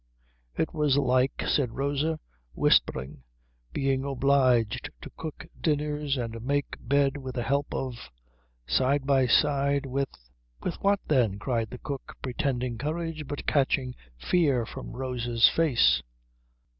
It was like, said Rosa, whispering, being obliged to cook dinners and make beds with the help of side by side with "With what then?" cried the cook, pretending courage but catching fear from Rosa's face.